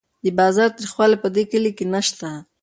د بازار تریخوالی په دې کلي کې نشته.